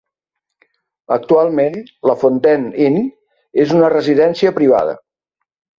Actualment, la Fountain Inn és una residència privada.